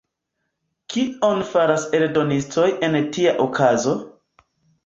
Kion faras eldonistoj en tia okazo?